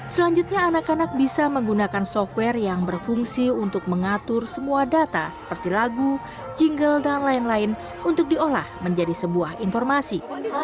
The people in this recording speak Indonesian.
selanjutnya anak anak bisa menggunakan software yang berfungsi untuk mengatur semua data seperti lagu jingle dan lain lain untuk diolah menjadi sebuah informasi